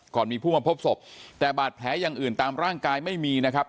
มีผู้มาพบศพแต่บาดแผลอย่างอื่นตามร่างกายไม่มีนะครับ